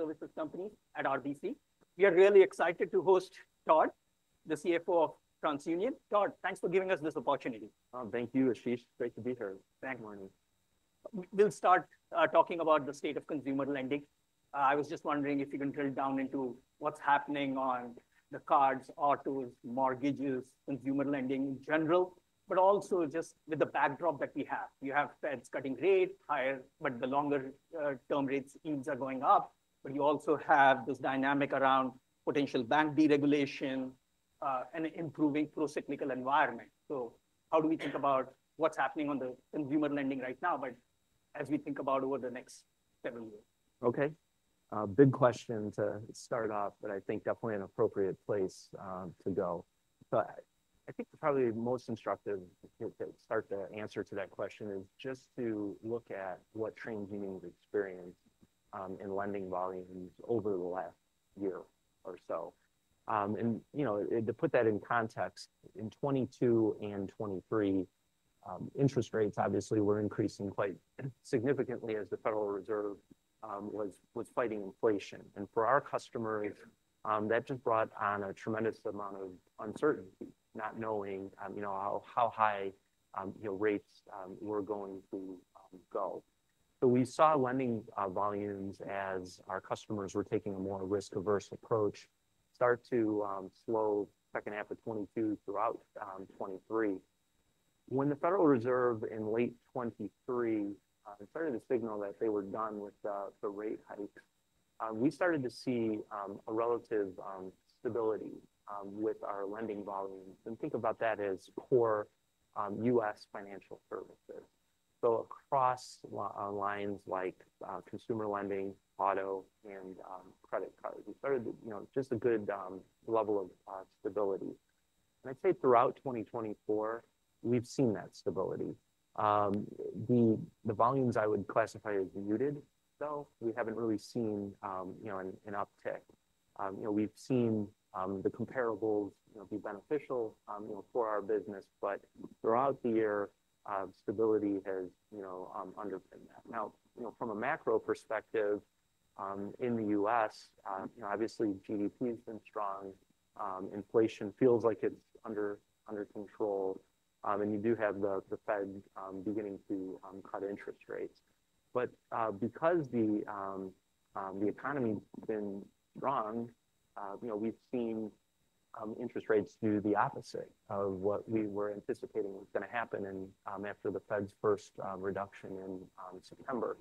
Services Conference at RBC. We are really excited to host Todd, the CFO of TransUnion. Todd, thanks for giving us this opportunity. Thank you, Ashish. Great to be here. Good morning. We'll start talking about the state of consumer lending. I was just wondering if you can drill down into what's happening on the cards, autos, mortgages, consumer lending in general, but also just with the backdrop that we have. You have Fed cutting rates higher, but the longer-term rates are going up. But you also have this dynamic around potential bank deregulation and an improving pro-cyclical environment. So how do we think about what's happening on the consumer lending right now, but as we think about over the next several years? Okay. Big question to start off, but I think definitely an appropriate place to go. But I think probably most instructive to start the answer to that question is just to look at what TransUnion's experience in lending volumes over the last year or so. And to put that in context, in 2022 and 2023, interest rates obviously were increasing quite significantly as the Federal Reserve was fighting inflation. And for our customers, that just brought on a tremendous amount of uncertainty, not knowing how high rates were going to go. So we saw lending volumes, as our customers were taking a more risk-averse approach, start to slow second half of 2022 throughout 2023. When the Federal Reserve in late 2023 started to signal that they were done with the rate hikes, we started to see a relative stability with our lending volumes. And think about that as core U.S. financial services. So across lines like consumer lending, auto, and credit cards, we started to just a good level of stability. And I'd say throughout 2024, we've seen that stability. The volumes I would classify as muted, though. We haven't really seen an uptick. We've seen the comparables be beneficial for our business, but throughout the year, stability has underpinned that. Now, from a macro perspective in the U.S., obviously, GDP has been strong. Inflation feels like it's under control. And you do have the Fed beginning to cut interest rates. But because the economy's been strong, we've seen interest rates do the opposite of what we were anticipating was going to happen after the Fed first reduction in September.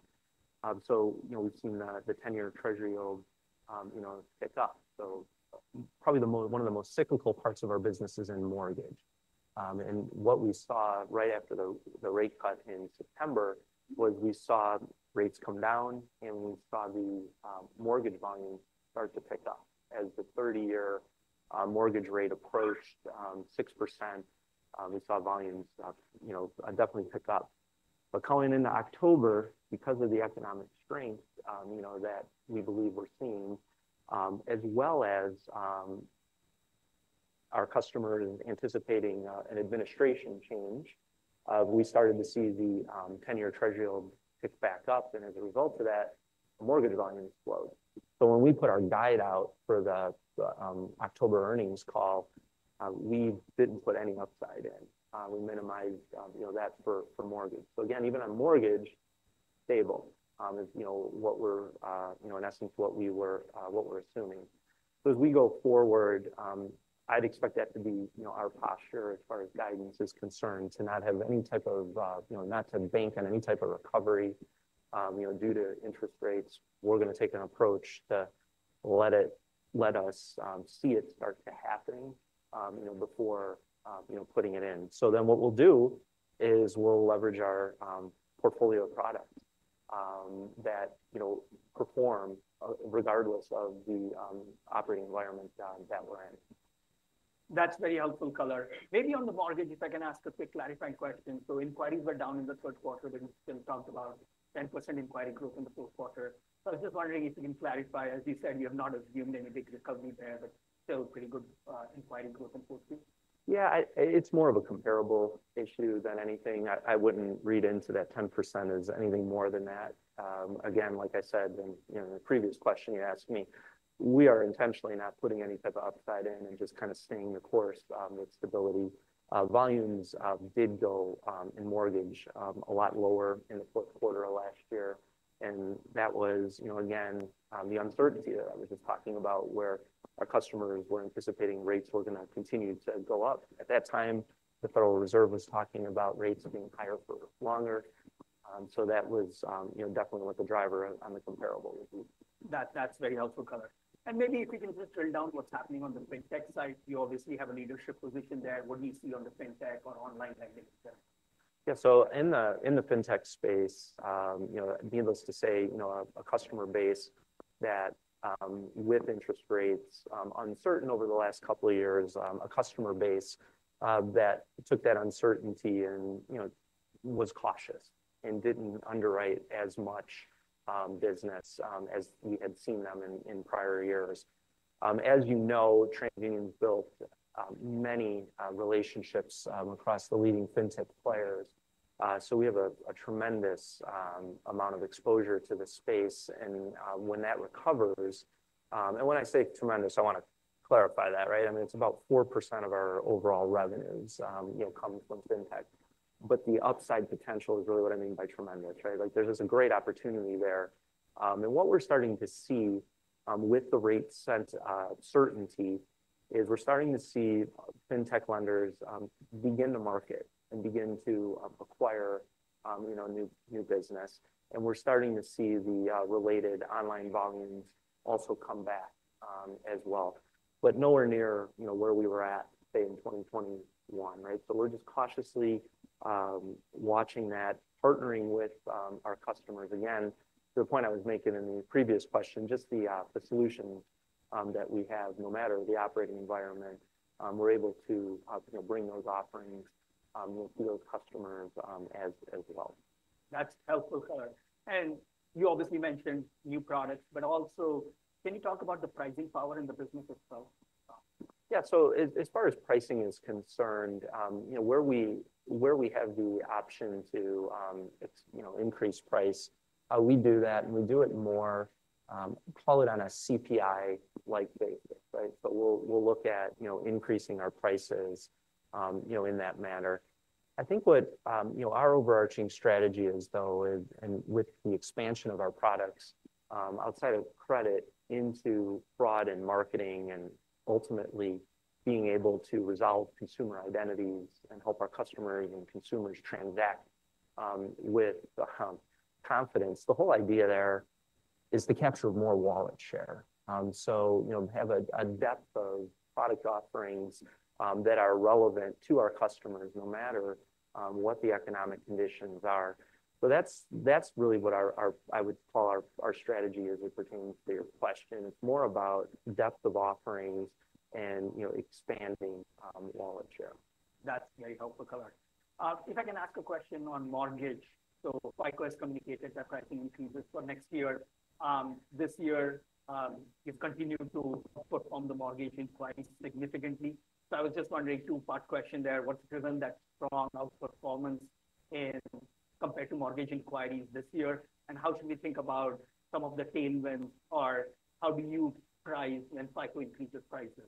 So we've seen the 10-year Treasury yield pick up. So probably one of the most cyclical parts of our business is in mortgage. And what we saw right after the rate cut in September was we saw rates come down, and we saw the mortgage volume start to pick up. As the 30-year mortgage rate approached 6%, we saw volumes definitely pick up. But coming into October, because of the economic strength that we believe we're seeing, as well as our customers anticipating an administration change, we started to see the 10-year Treasury yield pick back up. And as a result of that, mortgage volumes slowed. So when we put our guide out for the October earnings call, we didn't put any upside in. We minimized that for mortgage. So again, even on mortgage, stable is what we're, in essence, what we were assuming. So, as we go forward, I'd expect that to be our posture as far as guidance is concerned, to not have any type of, not to bank on any type of recovery due to interest rates. We're going to take an approach to let us see it start to happen before putting it in. So then what we'll do is we'll leverage our portfolio of products that perform regardless of the operating environment that we're in. That's very helpful color. Maybe on the mortgage, if I can ask a quick clarifying question. So inquiries were down in the third quarter. They still talked about 10% inquiry growth in the fourth quarter. So I was just wondering if you can clarify, as you said, we have not assumed any big recovery there, but still pretty good inquiry growth in 2024. Yeah, it's more of a comparable issue than anything. I wouldn't read into that 10% as anything more than that. Again, like I said, in the previous question you asked me, we are intentionally not putting any type of upside in and just kind of staying the course with stability. Volumes did go in mortgage a lot lower in the fourth quarter of last year, and that was, again, the uncertainty that I was just talking about, where our customers were anticipating rates were going to continue to go up. At that time, the Federal Reserve was talking about rates being higher for longer, so that was definitely what the driver on the comparable would be. That's very helpful color, and maybe if we can just drill down what's happening on the fintech side. You obviously have a leadership position there. What do you see on the fintech or online lending? Yeah, so in the fintech space, needless to say, a customer base that, with interest rates uncertain over the last couple of years, a customer base that took that uncertainty and was cautious and didn't underwrite as much business as we had seen them in prior years. As you know, TransUnion's built many relationships across the leading fintech players. So we have a tremendous amount of exposure to the space. And when that recovers, and when I say tremendous, I want to clarify that, right? I mean, it's about 4% of our overall revenues come from fintech. But the upside potential is really what I mean by tremendous, right? There's just a great opportunity there. And what we're starting to see with the rate cut certainty is we're starting to see fintech lenders begin to market and begin to acquire new business. And we're starting to see the related online volumes also come back as well. But nowhere near where we were at, say, in 2021, right? So we're just cautiously watching that, partnering with our customers. Again, to the point I was making in the previous question, just the solution that we have, no matter the operating environment, we're able to bring those offerings to those customers as well. That's helpful color. And you obviously mentioned new products, but also can you talk about the pricing power in the business itself? Yeah, so as far as pricing is concerned, where we have the option to increase price, we do that, and we do it more, call it on a CPI-like basis, right? So we'll look at increasing our prices in that manner. I think what our overarching strategy is, though, and with the expansion of our products outside of credit into broadened marketing and ultimately being able to resolve consumer identities and help our customers and consumers transact with confidence, the whole idea there is to capture more wallet share. So have a depth of product offerings that are relevant to our customers, no matter what the economic conditions are. So that's really what I would call our strategy as it pertains to your question. It's more about depth of offerings and expanding wallet share. That's very helpful color. If I can ask a question on mortgage. So FICO has communicated that pricing increases for next year. This year, you've continued to outperform the mortgage inquiries significantly. So I was just wondering, two-part question there. What's driven that strong outperformance compared to mortgage inquiries this year? And how should we think about some of the tailwinds, or how do you price when FICO increases prices?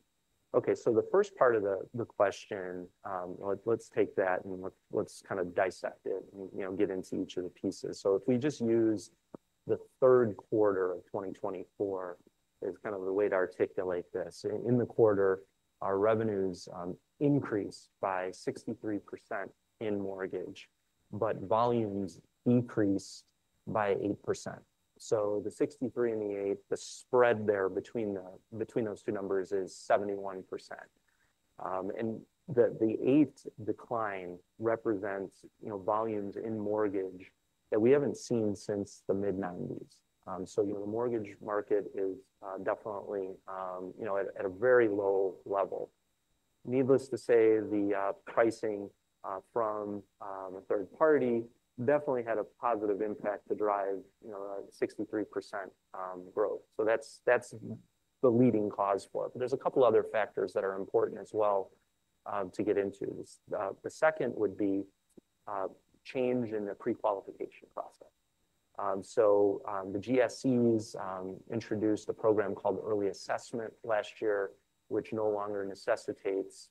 Okay, so the first part of the question, let's take that and let's kind of dissect it and get into each of the pieces. So if we just use the third quarter of 2024 as kind of the way to articulate this, in the quarter, our revenues increased by 63% in mortgage, but volumes decreased by 8%. So the 63 and the 8, the spread there between those two numbers is 71%. And the 8 decline represents volumes in mortgage that we haven't seen since the mid-1990s. So the mortgage market is definitely at a very low level. Needless to say, the pricing from a third party definitely had a positive impact to drive 63% growth. So that's the leading cause for it. But there's a couple of other factors that are important as well to get into. The second would be change in the pre-qualification process. The GSEs introduced a program called Early Assessment last year, which no longer necessitates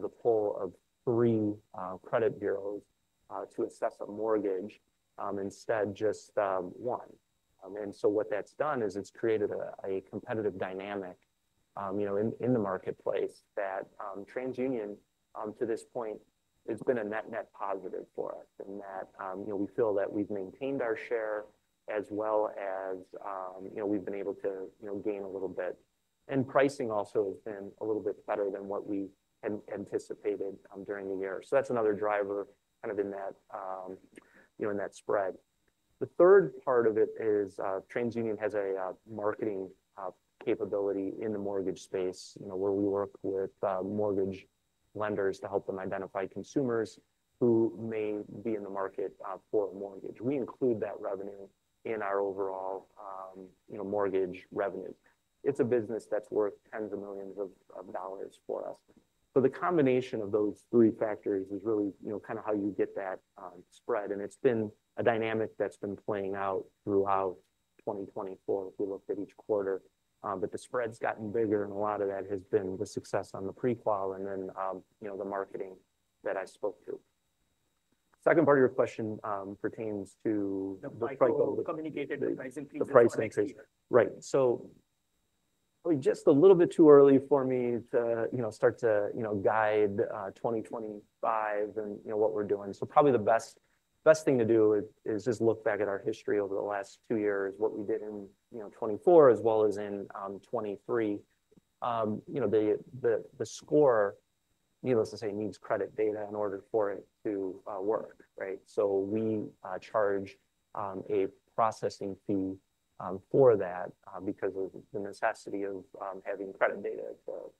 the pull of three credit bureaus to assess a mortgage, instead just one. And so what that's done is it's created a competitive dynamic in the marketplace that TransUnion, to this point, has been a net-net positive for us in that we feel that we've maintained our share as well as we've been able to gain a little bit. And pricing also has been a little bit better than what we anticipated during the year. So that's another driver kind of in that spread. The third part of it is TransUnion has a marketing capability in the mortgage space where we work with mortgage lenders to help them identify consumers who may be in the market for a mortgage. We include that revenue in our overall mortgage revenue. It's a business that's worth tens of millions of dollars for us. So the combination of those three factors is really kind of how you get that spread. And it's been a dynamic that's been playing out throughout 2024 if we look at each quarter. But the spread's gotten bigger, and a lot of that has been the success on the pre-qual and then the marketing that I spoke to. Second part of your question pertains to the price increase. The price makes it easier. Right. So probably just a little bit too early for me to start to guide 2025 and what we're doing. So probably the best thing to do is just look back at our history over the last two years, what we did in 2024 as well as in 2023. The score, needless to say, needs credit data in order for it to work, right? So we charge a processing fee for that because of the necessity of having credit data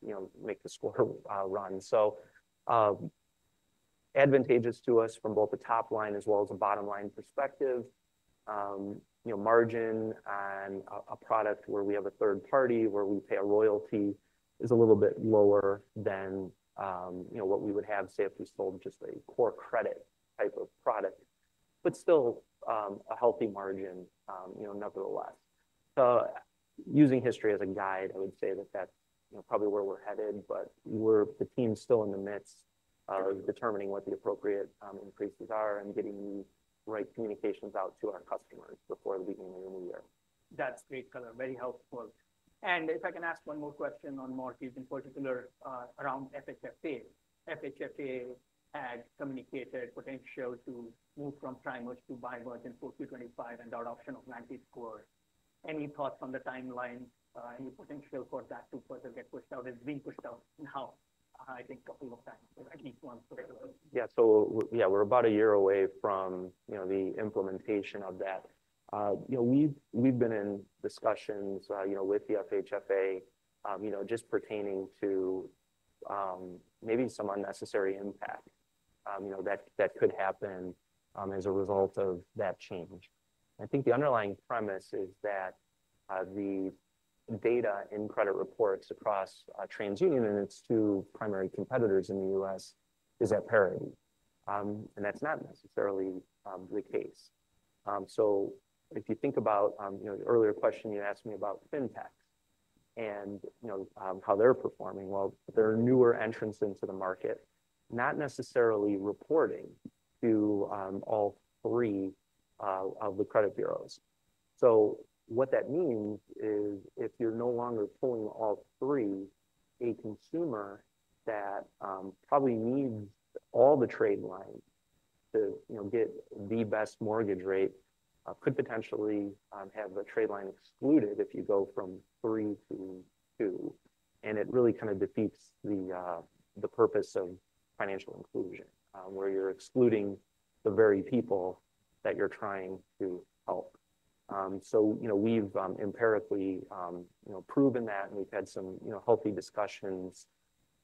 to make the score run. So advantageous to us from both the top line as well as the bottom line perspective, margin on a product where we have a third party where we pay a royalty is a little bit lower than what we would have, say, if we sold just a core credit type of product, but still a healthy margin nevertheless. So using history as a guide, I would say that that's probably where we're headed, but the team's still in the midst of determining what the appropriate increases are and getting the right communications out to our customers before leaving the new year. That's great, Todd. Very helpful, and if I can ask one more question on mortgage, in particular around FHFA. FHFA had communicated potential to move from tri-merge to bi-merge in 2025 and FICO option of 10 T scores. Any thoughts on the timeline? Any potential for that to further get pushed out? It's being pushed out now, I think, a couple of times, at least once. Yeah, so yeah, we're about a year away from the implementation of that. We've been in discussions with the FHFA just pertaining to maybe some unnecessary impact that could happen as a result of that change. I think the underlying premise is that the data in credit reports across TransUnion and its two primary competitors in the U.S. is at parity. And that's not necessarily the case. So if you think about the earlier question you asked me about fintechs and how they're performing, well, they're a newer entrant into the market, not necessarily reporting to all three of the credit bureaus. So what that means is if you're no longer pulling all three, a consumer that probably needs all the trade lines to get the best mortgage rate could potentially have a trade line excluded if you go from three to two. And it really kind of defeats the purpose of financial inclusion where you're excluding the very people that you're trying to help. So we've empirically proven that, and we've had some healthy discussions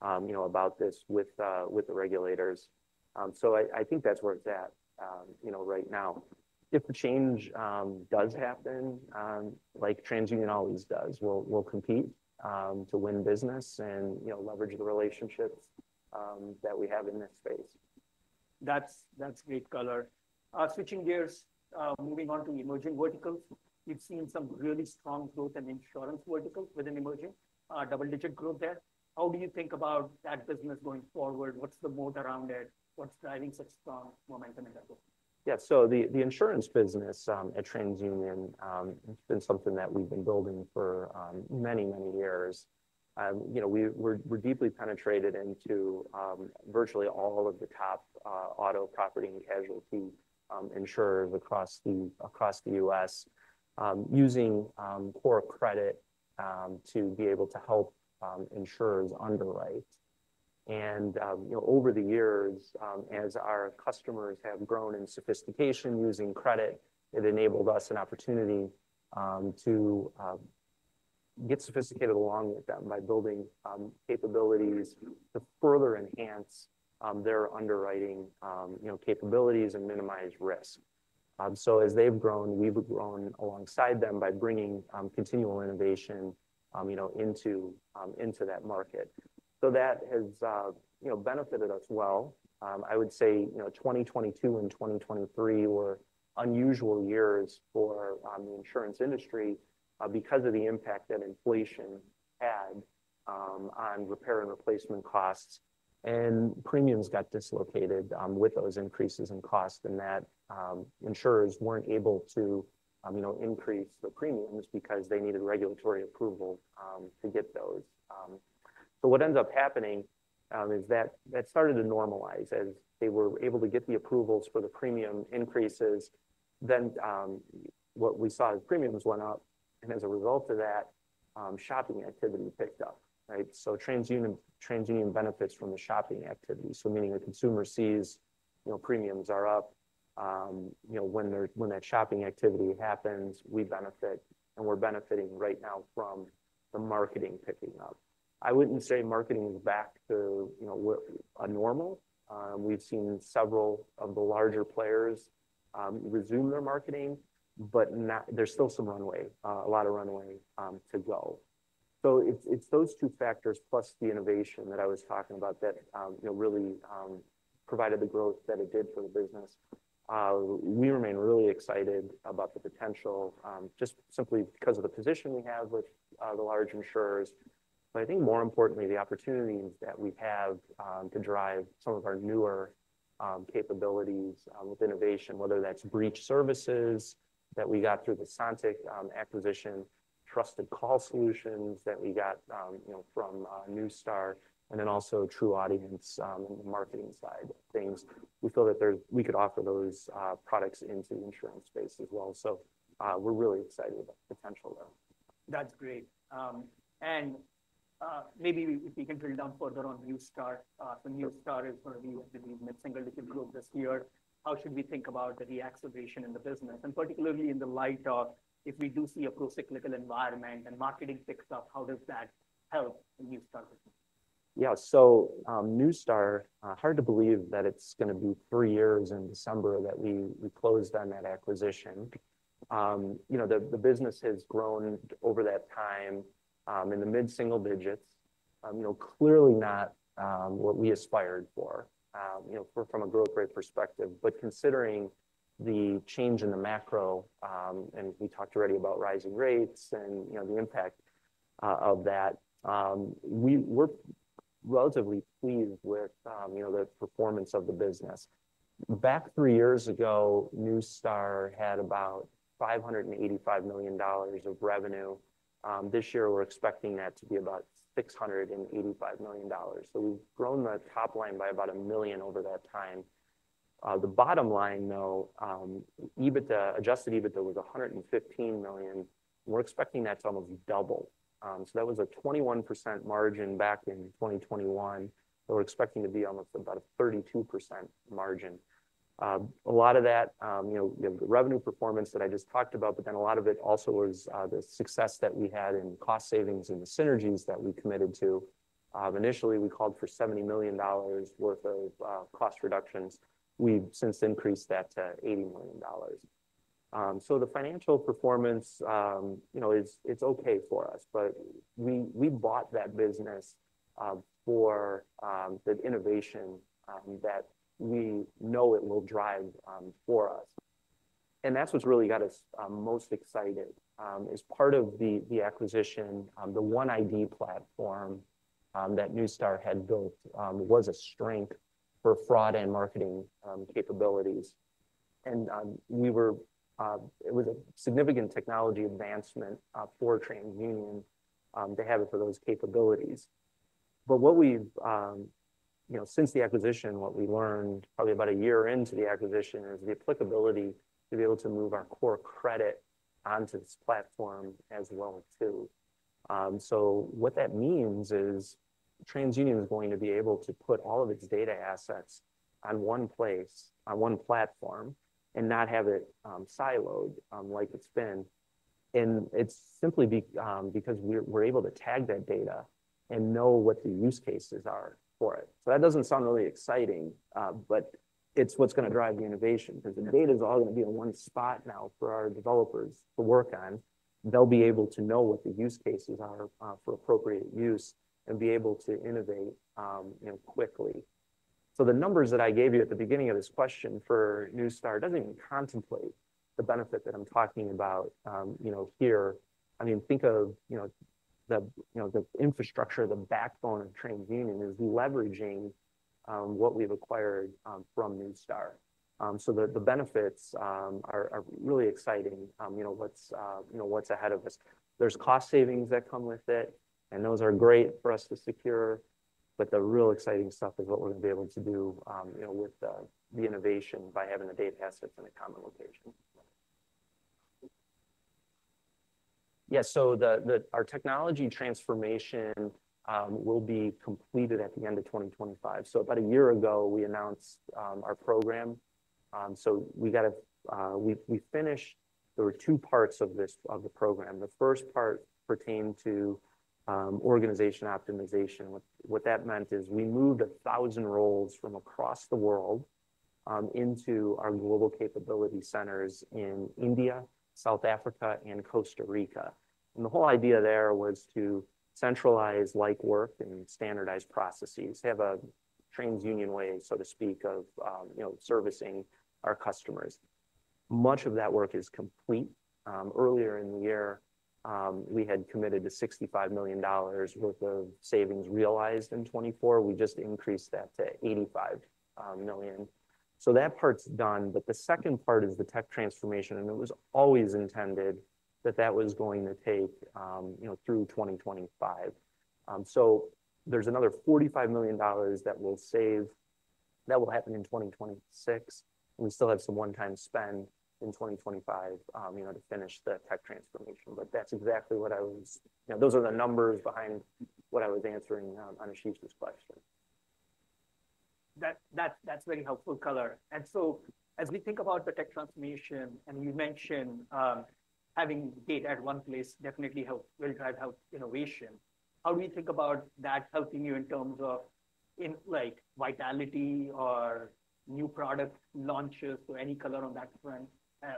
about this with the regulators. So I think that's where it's at right now. If the change does happen, like TransUnion always does, we'll compete to win business and leverage the relationships that we have in this space. That's great, color. Switching gears, moving on to emerging verticals. You've seen some really strong growth in insurance verticals within emerging, double-digit growth there. How do you think about that business going forward? What's the moat around it? What's driving such strong momentum in that? Yeah, so the insurance business at TransUnion, it's been something that we've been building for many, many years. We're deeply penetrated into virtually all of the top auto, property, and casualty insurers across the U.S. using core credit to be able to help insurers underwrite, and over the years, as our customers have grown in sophistication using credit, it enabled us an opportunity to get sophisticated along with them by building capabilities to further enhance their underwriting capabilities and minimize risk. As they've grown, we've grown alongside them by bringing continual innovation into that market, so that has benefited us well. I would say 2022 and 2023 were unusual years for the insurance industry because of the impact that inflation had on repair and replacement costs. Premiums got dislocated with those increases in cost, and insurers weren't able to increase the premiums because they needed regulatory approval to get those. What ends up happening is that started to normalize as they were able to get the approvals for the premium increases. What we saw is premiums went up, and as a result of that, shopping activity picked up, right? TransUnion benefits from the shopping activity. Meaning the consumer sees premiums are up. When that shopping activity happens, we benefit, and we're benefiting right now from the marketing picking up. I wouldn't say marketing is back to normal. We've seen several of the larger players resume their marketing, but there's still some runway, a lot of runway to go. So it's those two factors plus the innovation that I was talking about that really provided the growth that it did for the business. We remain really excited about the potential just simply because of the position we have with the large insurers. But I think more importantly, the opportunities that we have to drive some of our newer capabilities with innovation, whether that's breach services that we got through the Sontiq acquisition, Trusted Call Solutions that we got from Neustar, and then also TruAudience in the marketing side of things. We feel that we could offer those products into the insurance space as well. So we're really excited about the potential there. That's great. And maybe if we can drill down further on Neustar. So Neustar is going to be the mid-single-digit growth this year. How should we think about the reacceleration in the business? And particularly in the light of if we do see a procyclical environment and marketing picks up, how does that help the Neustar business? Yeah, so Neustar, hard to believe that it's going to be three years in December that we closed on that acquisition. The business has grown over that time in the mid-single digits, clearly not what we aspired for from a growth rate perspective. But considering the change in the macro, and we talked already about rising rates and the impact of that, we're relatively pleased with the performance of the business. Back three years ago, Neustar had about $585 million of revenue. This year, we're expecting that to be about $685 million. So we've grown the top line by about 100 million over that time. The bottom line, though, Adjusted EBITDA was $115 million. We're expecting that to almost double. So that was a 21% margin back in 2021. We're expecting to be almost about a 32% margin. A lot of that revenue performance that I just talked about, but then a lot of it also was the success that we had in cost savings and the synergies that we committed to. Initially, we called for $70 million worth of cost reductions. We've since increased that to $80 million. So the financial performance, it's okay for us, but we bought that business for the innovation that we know it will drive for us, and that's what's really got us most excited. As part of the acquisition, the OneID platform that Neustar had built was a strength for fraud and marketing capabilities, and it was a significant technology advancement for TransUnion to have it for those capabilities. But since the acquisition, what we learned probably about a year into the acquisition is the applicability to be able to move our core credit onto this platform as well too. So what that means is TransUnion is going to be able to put all of its data assets on one place, on one platform, and not have it siloed like it's been. And it's simply because we're able to tag that data and know what the use cases are for it. So that doesn't sound really exciting, but it's what's going to drive the innovation because the data is all going to be in one spot now for our developers to work on. They'll be able to know what the use cases are for appropriate use and be able to innovate quickly. So the numbers that I gave you at the beginning of this question for Neustar doesn't even contemplate the benefit that I'm talking about here. I mean, think of the infrastructure, the backbone of TransUnion is leveraging what we've acquired from Neustar. So the benefits are really exciting. What's ahead of us? There's cost savings that come with it, and those are great for us to secure. But the real exciting stuff is what we're going to be able to do with the innovation by having the data assets in a common location. Yeah, so our technology transformation will be completed at the end of 2025. So about a year ago, we announced our program. So we finished. There were two parts of the program. The first part pertained to organization optimization. What that meant is we moved 1,000 roles from across the world into our global capability centers in India, South Africa, and Costa Rica, and the whole idea there was to centralize like work and standardized processes, have a TransUnion way, so to speak, of servicing our customers. Much of that work is complete. Earlier in the year, we had committed to $65 million worth of savings realized in 2024. We just increased that to $85 million, so that part's done, but the second part is the tech transformation, and it was always intended that that was going to take through 2025, so there's another $45 million that will happen in 2026. We still have some one-time spend in 2025 to finish the tech transformation, but that's exactly what I was, those are the numbers behind what I was answering on Ashish's question. That's very helpful, Todd. And so as we think about the tech transformation, and you mentioned having data at one place definitely will drive wealth innovation. How do you think about that helping you in terms of viability or new product launches or any color on that front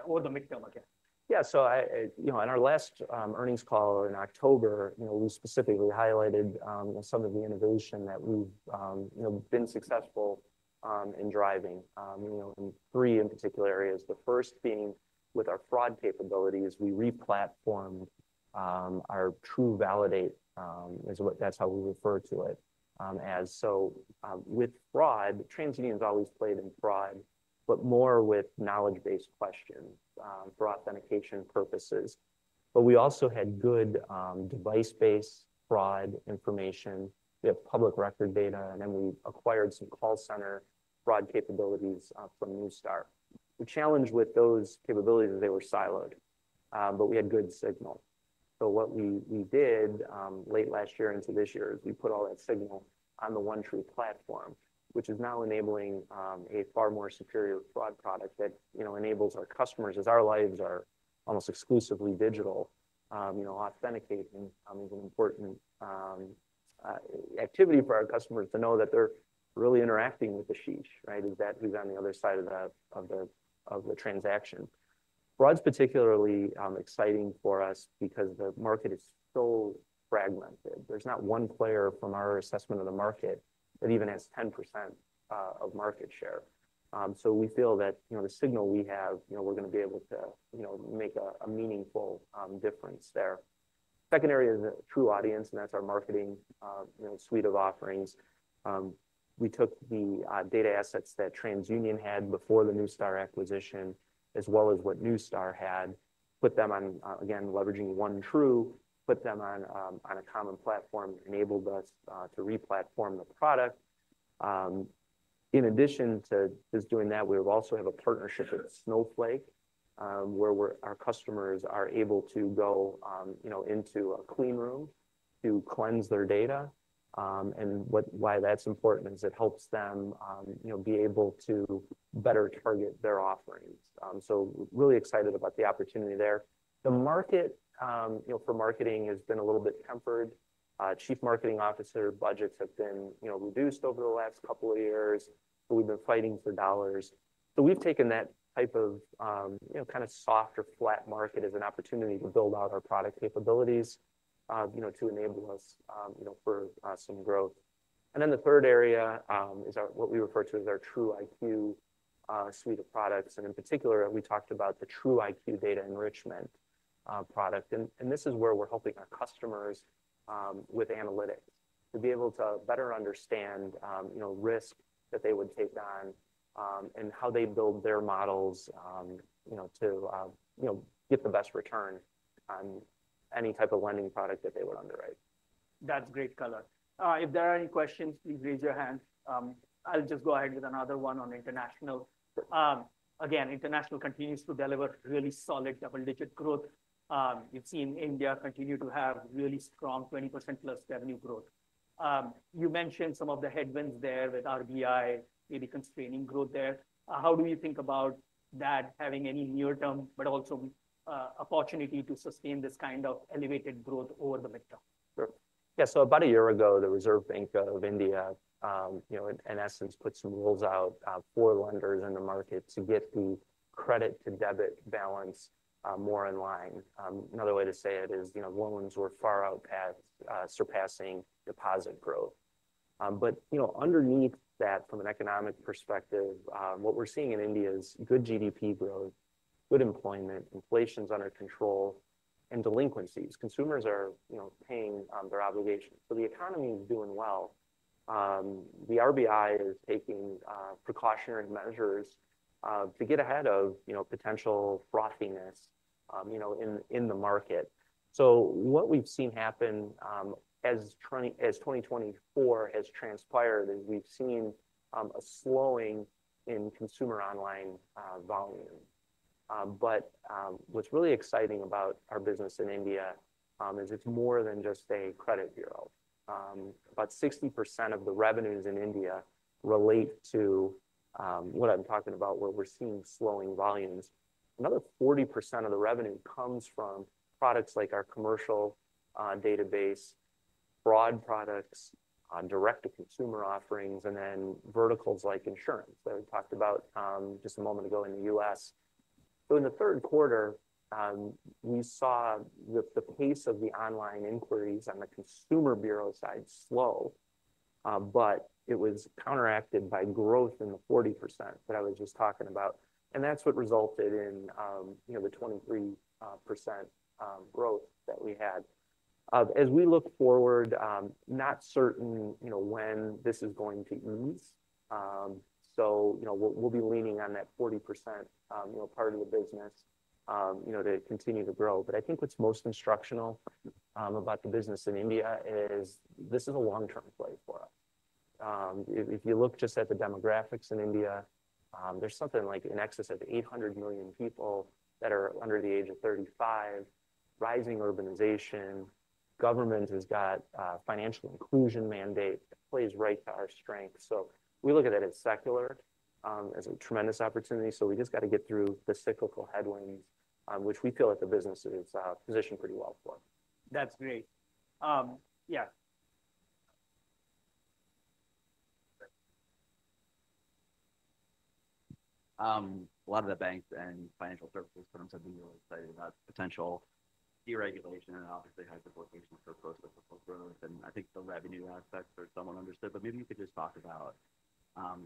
or the medium term again? Yeah, so on our last earnings call in October, we specifically highlighted some of the innovation that we've been successful in driving in three particular areas. The first being with our fraud capabilities, we replatformed our TruValidate, that's how we refer to it. So with fraud, TransUnion has always played in fraud, but more with knowledge-based questions for authentication purposes. But we also had good device-based fraud information. We have public record data, and then we acquired some call center fraud capabilities from Neustar. The challenge with those capabilities is they were siloed, but we had good signal. So what we did late last year into this year is we put all that signal on the OneTru platform, which is now enabling a far more superior fraud product that enables our customers, as our lives are almost exclusively digital. Authenticating is an important activity for our customers to know that they're really interacting with Ashish, right? Is that who's on the other side of the transaction? Fraud's particularly exciting for us because the market is so fragmented. There's not one player from our assessment of the market that even has 10% of market share. So we feel that the signal we have, we're going to be able to make a meaningful difference there. Secondary is the TruAudience, and that's our marketing suite of offerings. We took the data assets that TransUnion had before the Neustar acquisition, as well as what Neustar had, put them on, again, leveraging OneTru, put them on a common platform, enabled us to replatform the product. In addition to doing that, we also have a partnership with Snowflake, where our customers are able to go into a clean room to cleanse their data. Why that's important is it helps them be able to better target their offerings. Really excited about the opportunity there. The market for marketing has been a little bit tempered. Chief Marketing Officer budgets have been reduced over the last couple of years. We've been fighting for dollars. We've taken that type of kind of soft or flat market as an opportunity to build out our product capabilities to enable us for some growth. The third area is what we refer to as our TruIQ suite of products. In particular, we talked about the TruIQ data enrichment product. This is where we're helping our customers with analytics to be able to better understand risk that they would take on and how they build their models to get the best return on any type of lending product that they would underwrite. That's great color. If there are any questions, please raise your hand. I'll just go ahead with another one on international. Again, international continues to deliver really solid double-digit growth. You've seen India continue to have really strong 20%+ revenue growth. You mentioned some of the headwinds there with RBI, maybe constraining growth there. How do you think about that having any near-term, but also opportunity to sustain this kind of elevated growth over the midterm? Sure. Yeah, so about a year ago, the Reserve Bank of India, in essence, put some rules out for lenders in the market to get the credit-to-deposit balance more in line. Another way to say it is loans were far out past surpassing deposit growth. But underneath that, from an economic perspective, what we're seeing in India is good GDP growth, good employment, inflation's under control, and delinquencies. Consumers are paying their obligations. So the economy is doing well. The RBI is taking precautionary measures to get ahead of potential frothiness in the market. So what we've seen happen as 2024 has transpired is we've seen a slowing in consumer online volume. But what's really exciting about our business in India is it's more than just a credit bureau. About 60% of the revenues in India relate to what I'm talking about, where we're seeing slowing volumes. Another 40% of the revenue comes from products like our commercial database, fraud products, direct-to-consumer offerings, and then verticals like insurance that we talked about just a moment ago in the U.S. So in the third quarter, we saw the pace of the online inquiries on the consumer bureau side slow, but it was counteracted by growth in the 40% that I was just talking about. And that's what resulted in the 23% growth that we had. As we look forward, not certain when this is going to ease. So we'll be leaning on that 40% part of the business to continue to grow. But I think what's most instructional about the business in India is this is a long-term play for us. If you look just at the demographics in India, there's something like an excess of 800 million people that are under the age of 35, rising urbanization. Government has got financial inclusion mandates. That plays right to our strength. So we look at that as secular, as a tremendous opportunity. So we just got to get through the cyclical headwinds, which we feel like the business is positioned pretty well for. That's great. Yeah. A lot of the banks and financial services firms have been really excited about potential deregulation and obviously higher inflation for both of the growth. And I think the revenue aspects are somewhat understood, but maybe you could just talk about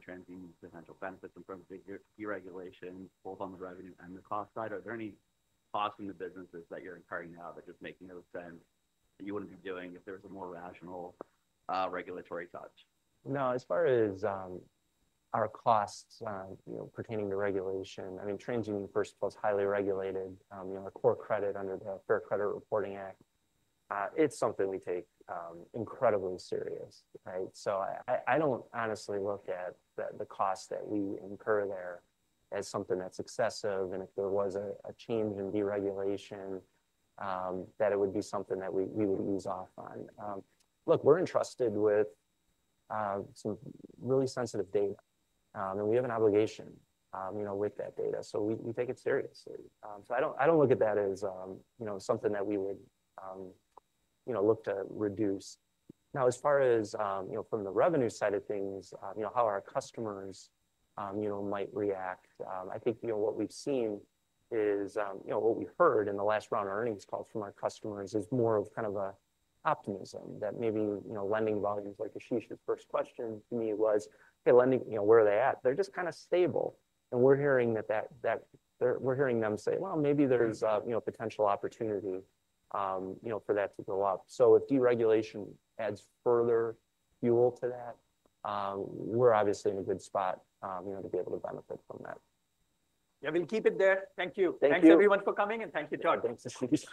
TransUnion's potential benefits in terms of deregulation, both on the revenue and the cost side. Are there any costs in the businesses that you're incurring now that just make no sense that you wouldn't be doing if there was a more rational regulatory touch? No, as far as our costs pertaining to regulation, I mean, TransUnion, first of all, is highly regulated. Our core credit under the Fair Credit Reporting Act, it's something we take incredibly serious, right? So I don't honestly look at the cost that we incur there as something that's excessive, and if there was a change in deregulation, that it would be something that we would ease off on. Look, we're entrusted with some really sensitive data, and we have an obligation with that data. So we take it seriously, so I don't look at that as something that we would look to reduce. Now, as far as from the revenue side of things, how our customers might react, I think what we've seen is what we've heard in the last round of earnings calls from our customers is more of kind of an optimism that maybe lending volumes, like Ashish's first question to me was, hey, where are they at? They're just kind of stable. And we're hearing that they're hearing them say, well, maybe there's a potential opportunity for that to go up. So if deregulation adds further fuel to that, we're obviously in a good spot to be able to benefit from that. Yeah, I mean, keep it there. Thank you. Thank you, everyone, for coming, and thank you, Todd. Thanks.